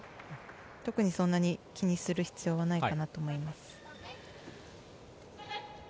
特に、そんなに気にする必要はないかなと思います。